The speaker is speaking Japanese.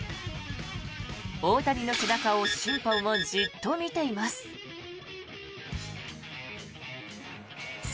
大谷の背中を審判はじっと見ています。